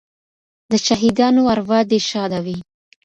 د شهیدانو اروا دې شاده وي.